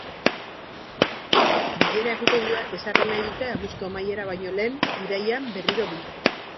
Bilera-egutegi bat ezarri nahi dute abuztu amaiera baino lehen, irailean berriro biltzeko.